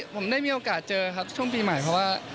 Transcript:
ผมได้มีโอกาสเจอครับช่วงปีใหม่เพราะว่า